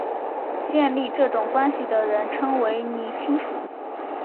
建立这种关系的人称为拟亲属。